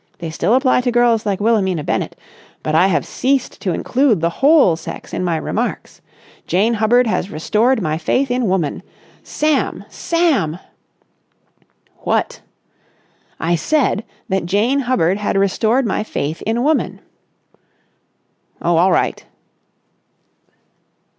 They still apply to girls like Wilhelmina Bennett, but I have ceased to include the whole sex in my remarks. Jane Hubbard has restored my faith in Woman. Sam! Sam!" "What?" "I said that Jane Hubbard had restored my faith in Woman." "Oh, all right."